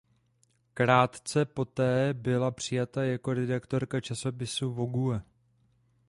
Krátce poté byla přijata jako redaktorka časopisu Vogue.